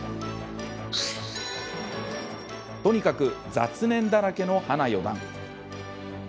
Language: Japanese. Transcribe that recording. とにかく雑念だらけの花四段。